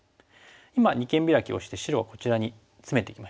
今二間ビラキをして白はこちらにツメていきましたね。